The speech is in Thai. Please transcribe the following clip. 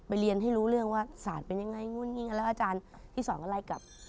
ไปเรียนให้รู้เรื่องว่าสาวนิการเป็นยังไงแล้วอาจารย์ที่สองก็ไล่กลับ